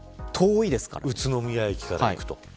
宇都宮駅から行くと。